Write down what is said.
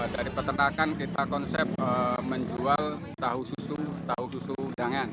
dari peternakan kita konsep menjual tahu susu tahu susu udangan